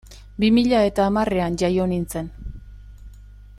Bi mila eta hamarrean jaio nintzen.